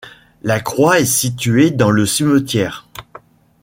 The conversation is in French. La croix est située dans le cimetière.